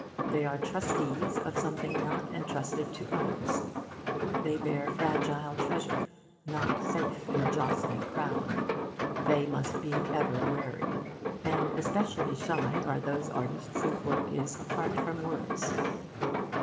They are trustees of something not entrusted to us others; they bear fragile treasure, not safe in a jostling crowd; they must ever be wary. And especially shy are those artists whose work is apart from words.